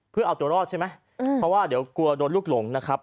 เพื่อเอาตัวรอดใช่ไหมเพราะว่าเดี๋ยวกลัวโดนลูกหลงนะครับ